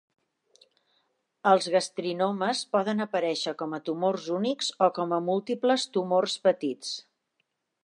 Els gastrinomes poden aparèixer com a tumors únics o com a múltiples tumors petits.